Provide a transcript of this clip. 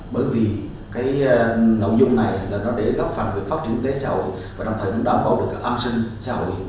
bởi vì cái nội dung này là nó để góp phần về phát triển kinh tế xã hội và đồng thời nó đảm bảo được an sinh xã hội